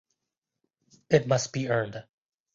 It must be earned.